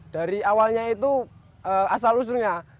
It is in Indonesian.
dari awalnya itu asal usulnya